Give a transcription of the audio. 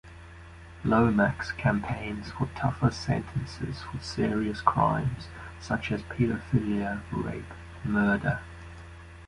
Lomax campaigns for tougher sentences for serious crimes such as paedophilia, rape and murder.